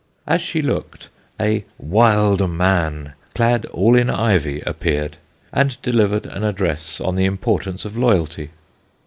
As she looked, a "wilde man" clad all in ivy appeared and delivered an address on the importance of loyalty.